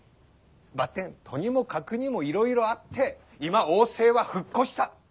ばってんとにもかくにもいろいろあって今王政は復古した。